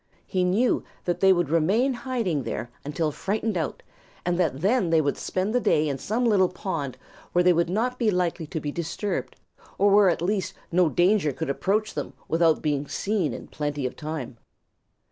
He knew that they would remain hiding there until frightened out, and that then they would spend the day in some little pond where they would not be likely to be disturbed or where at least no danger could approach them without being seen in plenty of time.